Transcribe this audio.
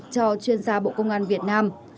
cho chuyên gia bộ công an việt nam